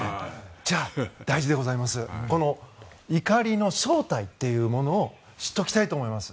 じゃあ、大事でございますこの怒りの正体っていうものを知っておきたいと思います。